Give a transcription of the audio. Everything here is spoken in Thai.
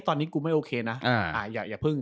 ตอนนี้กูไม่โอเคนะอย่าเพิ่ง